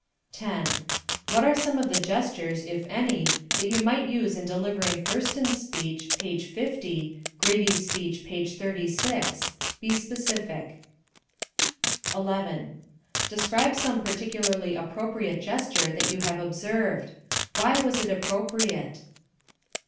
10. What are some of the gestures, if any, that you might use in delivering Thurston's speech, page 50; Grady's speech, page 36? Be specific. 11. Describe some particularly appropriate gesture that you have observed. Why was it appropriate?